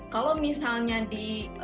kalau misalnya di